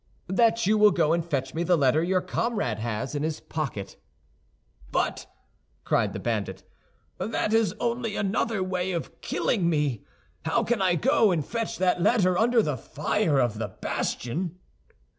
"That you will go and fetch me the letter your comrade has in his pocket." "But," cried the bandit, "that is only another way of killing me. How can I go and fetch that letter under the fire of the bastion?"